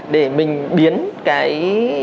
để mình biến cái